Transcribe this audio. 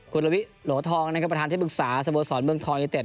คุณระวิโหลทองนะครับประธานเทพศาสตร์สมสรรค์เมืองทองอย่างเต็ด